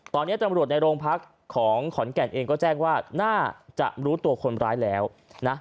ตอนนี้ตำรวจในโรงพักของขอนแก่นเองก็แจ้งว่าน่าจะรู้ตัวคนร้ายแล้วนะ